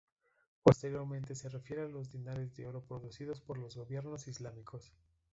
Posteriormente se refiere a los dinares de oro producidos por los gobiernos islámicos.